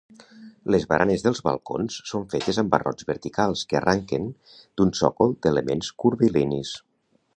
Les baranes dels balcons són fetes amb barrots verticals que arranquen d'un sòcol d'elements curvilinis.